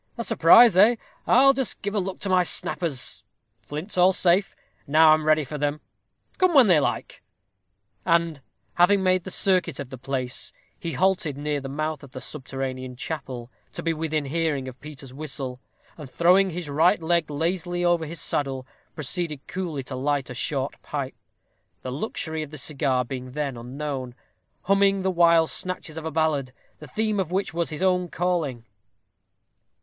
A surprise, eh! I'll just give a look to my snappers flints all safe. Now I'm ready for them, come when they like." And, having made the circuit of the place, he halted near the mouth of the subterranean chapel, to be within hearing of Peter's whistle, and, throwing his right leg lazily over his saddle, proceeded coolly to light a short pipe the luxury of the cigar being then unknown, humming the while snatches of a ballad, the theme of which was his own calling.